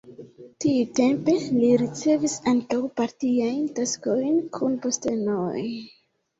Tiutempe li ricevis ankaŭ partiajn taskojn kun postenoj.